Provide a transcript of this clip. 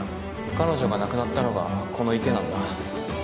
彼女が亡くなったのがこの池なんだ